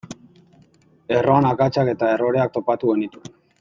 Erroan akatsak eta erroreak topatu genituen.